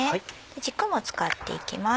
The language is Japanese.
軸も使っていきます。